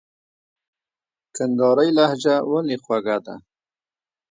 کندهارۍ لهجه ولي خوږه ده ؟